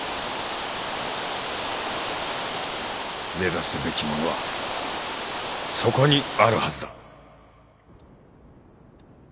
目指すべきものはそこにあるはずだ。